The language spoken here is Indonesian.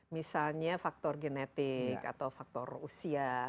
misalnya faktor genetik atau faktor usia